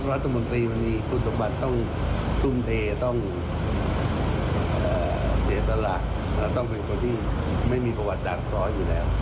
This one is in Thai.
รัฐมนตรีมันมีคุณสมบัติต้องทุ่มเทต้องเสียสละต้องเป็นคนที่ไม่มีประวัติศาสตร์เคราะห์อยู่แล้ว